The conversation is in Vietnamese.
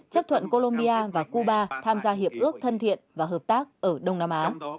chấp thuận colombia và cuba tham gia hiệp ước thân thiện và hợp tác ở đông nam á